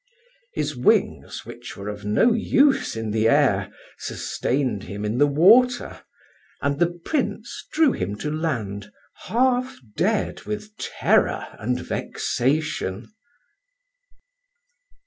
His wings, which were of no use in the air, sustained him in the water; and the Prince drew him to land half dead with terror and vexation.